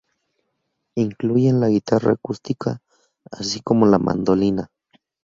Incluyen la guitarra acústica así como la mandolina.